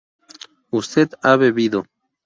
usted ha bebido